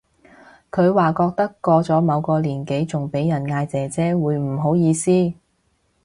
佢話覺得過咗某個年紀仲俾人嗌姐姐會唔好意思